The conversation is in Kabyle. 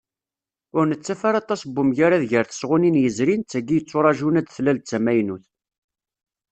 Ur nettaf ara aṭas n umgarad gar tesɣunin yezrin d tagi yetturaǧun ad d-tlal d tamaynut.